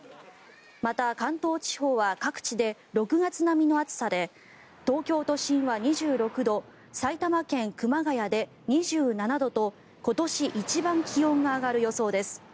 また、関東地方は各地で６月並みの暑さで東京都心は２６度埼玉県熊谷で２７度と今年一番気温が上がる予想です。